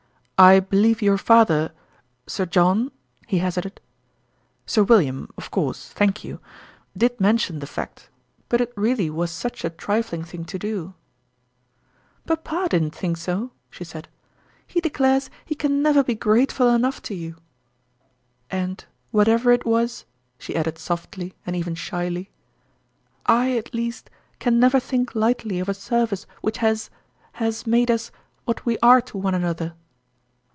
"I believe your father Sir John ?" he hazarded ..." Sir "William, of course, thank you ... did mention the fact. But it really was such a trifling thing to do." " Papa didn't think so," she said. " He de clares he can never be grateful enough to you. And, whatever it was," she added softly, and even shyly, " I, at least, can never think lightly of a service which has has made us what we are to one another."